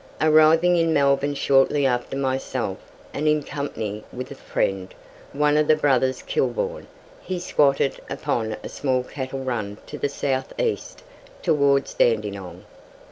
Arriving in Melbourne shortly after myself, and in company with a friend, one of the brothers Kilburn, he squatted upon a small cattle run to the south east, towards Dandenong.